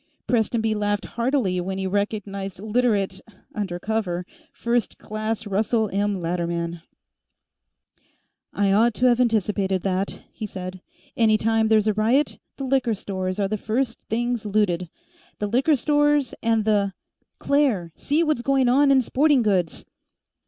Prestonby laughed heartily when he recognized Literate undercover First Class Russell M. Latterman. "I ought to have anticipated that," he said. "Any time there's a riot, the liquor stores are the first things looted. The liquor stores, and the Claire! See what's going on in Sporting Goods!"